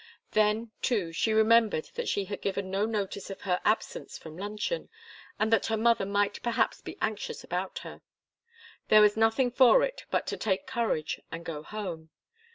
Then, too, she remembered that she had given no notice of her absence from luncheon, and that her mother might perhaps be anxious about her. There was nothing for it but to take courage and go home.